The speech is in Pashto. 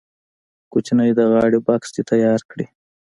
کوچنی د غاړې بکس دې تیار کړي.